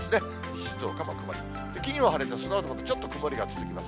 静岡も曇りマーク、金曜晴れて、そのあともちょっと曇りが続きます。